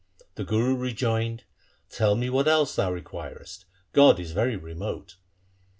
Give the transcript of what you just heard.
The Guru rejoined, ' Tell me what else thou requirest. God is very remote.'